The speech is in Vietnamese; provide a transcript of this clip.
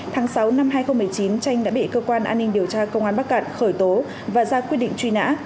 tháng sáu năm hai nghìn một mươi chín tranh đã bị cơ quan an ninh điều tra công an bắc cạn khởi tố và ra quyết định truy nã